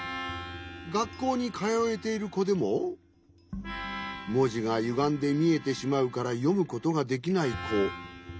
がっこうにかよえているこでももじがゆがんでみえてしまうからよむことができないこ。